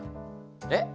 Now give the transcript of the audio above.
えっ？